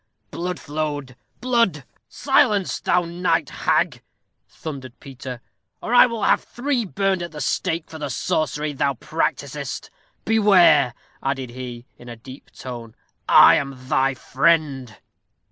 Blood flowed blood " "Silence, thou night hag!" thundered Peter, "or I will have thee burned at the stake for the sorcery thou practisest. Beware," added he, in a deep tone "I am thy friend."